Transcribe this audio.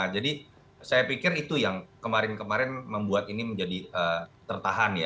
saya pikir itu yang kemarin kemarin membuat ini menjadi tertahan ya